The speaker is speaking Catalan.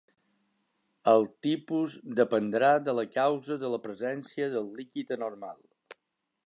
El tipus dependrà de la causa de la presència del líquid anormal.